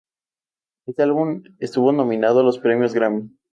Este álbum estuvo nominado a los premios Grammy.